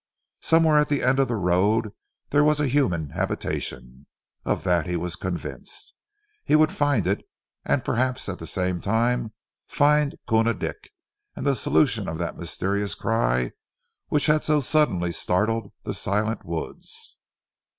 Somewhere at the end of the road there was a human habitation. Of that he was convinced. He would find it, and perhaps at the same time find Koona Dick and the solution of that mysterious cry which had so suddenly startled the silent woods.